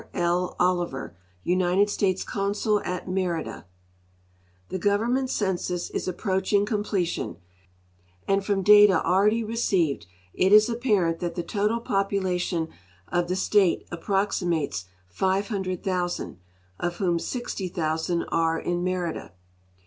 L. Oliver, United States consul at Merida; The government census is »approaching completion, and from data already received it is apparent that the total population of the state ap proximates 500,000, of whom 60,000 are in Merida.